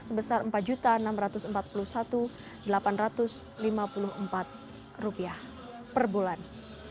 sebesar rp empat enam ratus empat puluh satu delapan ratus lima puluh empat per bulan